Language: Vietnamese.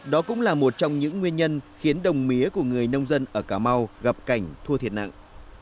đó cũng là một trong những nguyên nhân khiến đồng mía của người nông dân ở cà mau gặp cảnh thua thiệt nặng